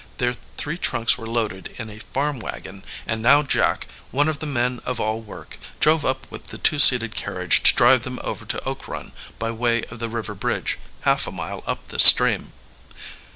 Their three trunks were loaded in a farm wagon, and now Jack, one of the men of all work, drove up with the two seated carriage to drive them over to Oak Run by way of the river bridge, half a mile up the stream.